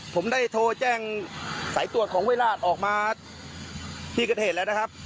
ผมได้โทรแจ้งสายตรวจของเวลาออกมาที่เกิดเหตุแล้วนะครับ